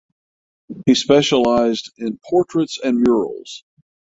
He specialized in portraits and murals.